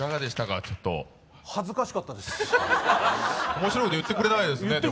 面白いこと言ってくれないもんね。